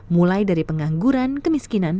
mulai dari pengangguran kemiskinan